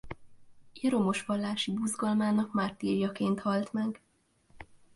Jeromos vallási buzgalmának mártírjaként halt meg.